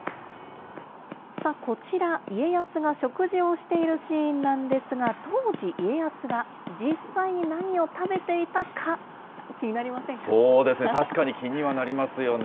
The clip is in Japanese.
さあ、こちら、家康が食事をしているシーンなんですが、当時、家康が実際に何を食べていたか、そうですね。